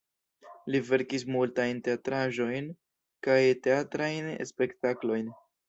Li verkis multajn teatraĵojn kaj teatrajn spektaklojn.